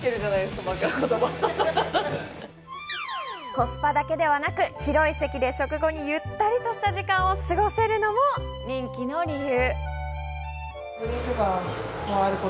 コスパだけではなく、広い席で食後にゆったりとした時間を過ごせるのも人気の理由。